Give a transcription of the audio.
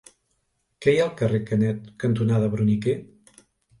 Què hi ha al carrer Canet cantonada Bruniquer?